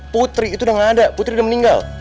putri itu udah gak ada putri udah meninggal